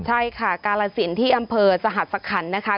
ใช่ค่ะกาลสินที่อำเภอสหัสสคันนะคะ